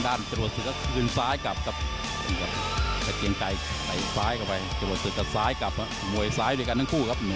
ทางนี้คุณพุทธคุณผม